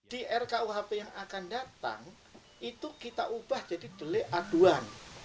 di rkuhp yang akan datang itu kita ubah jadi delik aduan